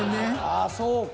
ああそうか。